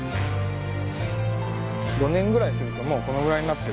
５年ぐらいするともうこのぐらいになってる。